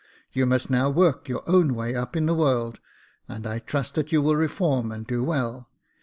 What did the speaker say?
You must now work your own way up in the world, and I trust that you will reform and do well.